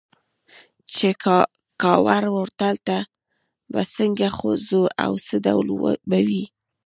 چې کاوور هوټل ته به څنګه ځو او څه ډول به وي.